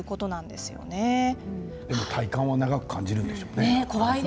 でも、体感は長く感じるでしょうね。